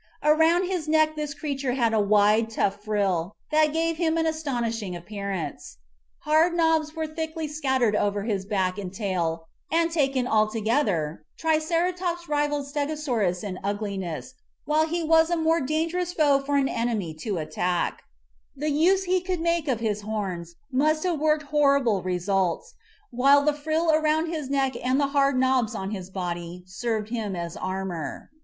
Around his neck this creature had a wide, tough frill that gave him an astonishing appearance. Hard knobs were thickly scattered over his back and tail, and, taken alto gether, Triceratops rivaled Stegosaurus in ugliness while he was a more dangerous foe for an enemy to THE MIGHTY DINOSAURS 27 attack. The use he could make of his horns must have worked horrible results, while the frill around his neck and the hard knobs on his body served him as an armor.